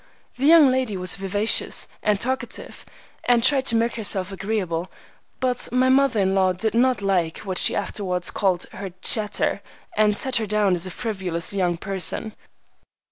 The young lady was vivacious and talkative, and tried to make herself agreeable, but my mother in law did not like what she afterwards called her "chatter," and set her down as a frivolous young person.